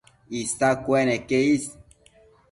Isa cueneque is